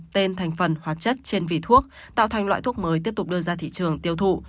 tên thành phần hóa chất trên vỉ thuốc tạo thành loại thuốc mới tiếp tục đưa ra thị trường tiêu thụ